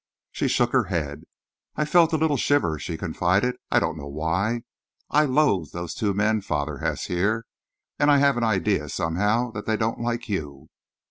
She shook her head. "I felt a little shiver," she confided. "I don't know why. I loathe those two men father has here, and I have an idea, somehow, that they don't like you."